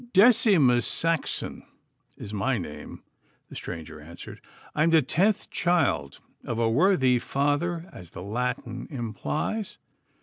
'Decimus Saxon is my name,' the stranger answered; 'I am the tenth child of a worthy father, as the Latin implies.